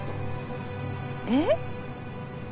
えっ？